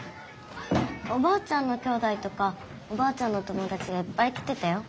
おばあちゃんのきょうだいとかおばあちゃんの友だちがいっぱい来てたよ。